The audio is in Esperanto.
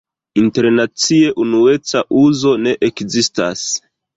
Internacie unueca uzo ne ekzistas.